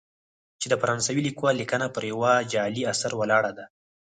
چې د فرانسوي لیکوال لیکنه پر یوه جعلي اثر ولاړه ده.